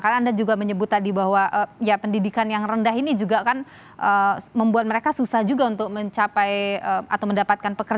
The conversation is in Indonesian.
karena anda juga menyebut tadi bahwa pendidikan yang rendah ini juga kan membuat mereka susah juga untuk mencapai atau mendapatkan pekerjaan